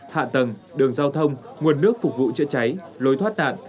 hạ tầng đường giao thông nguồn nước phục vụ chữa cháy lối thoát nạn